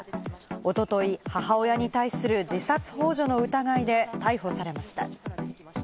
おととい、母親に対する自殺ほう助の疑いで逮捕されました。